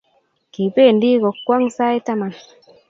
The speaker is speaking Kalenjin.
Kipendi kong'wong' sait taman